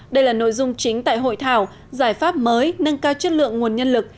đây là nội dung chính tại hội thảo giải pháp mới nâng cao chất lượng nguồn nhân lực